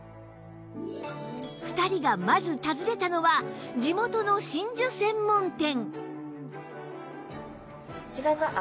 ２人がまず訪ねたのは地元の真珠専門店